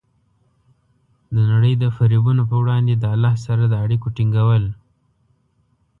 د نړۍ د فریبونو په وړاندې د الله سره د اړیکو ټینګول.